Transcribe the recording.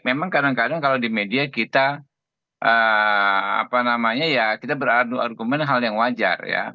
memang kadang kadang kalau di media kita apa namanya ya kita beradu argumen hal yang wajar ya